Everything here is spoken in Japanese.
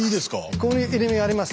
こういう入身ありますね。